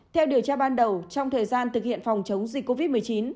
theo điều tra ban đầu trong thời gian thực hiện phòng chống dịch covid một mươi chín